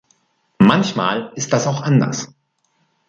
Manchmal ist das auch anders!